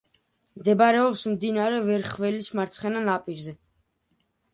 მდებარეობს მდინარე ვერხველის მარცხენა ნაპირზე.